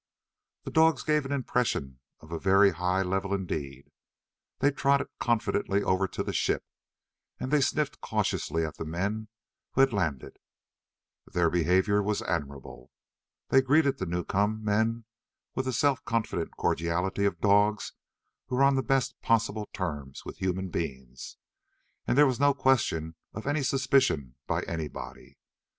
The dogs gave an impression of a very high level indeed. They trotted confidently over to the ship, and they sniffed cautiously at the men who had landed. Then their behavior was admirable. They greeted the new come men with the self confident cordiality of dogs who are on the best possible terms with human beings, and there was no question of any suspicion by anybody.